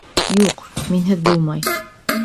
Юҡ, минһеҙ булмай.